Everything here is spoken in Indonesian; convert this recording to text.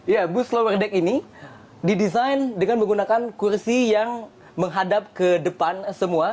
ya bus lower deck ini didesain dengan menggunakan kursi yang menghadap ke depan semua